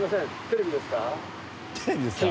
テレビです。